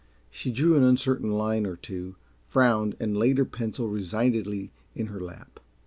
She drew an uncertain line or two, frowned and laid her pencil resignedly in her lap.